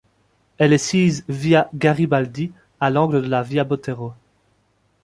Elle est sise via Garibaldi, à l’angle de la via Botero.